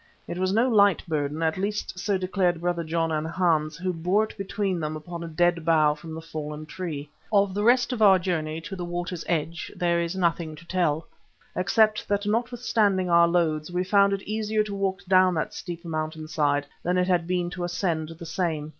It was no light burden, at least so declared Brother John and Hans, who bore it between them upon a dead bough from the fallen tree. Of the rest of our journey to the water's edge there is nothing to tell, except that notwithstanding our loads, we found it easier to walk down that steep mountain side than it had been to ascend the same.